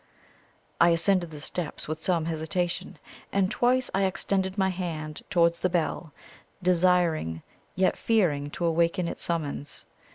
I ascended the steps with some hesitation, and twice I extended my hand towards the bell, desiring yet fearing to awaken its summons.